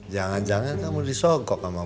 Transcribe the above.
jangan jangan kamu disokok sama